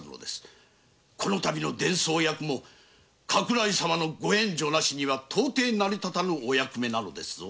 この度の伝奏役も加倉井様のご援助なしには到底成り立たないお役目なのですぞ。